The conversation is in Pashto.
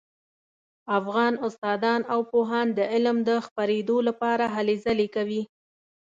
افغان استادان او پوهان د علم د خپریدو لپاره هلې ځلې کوي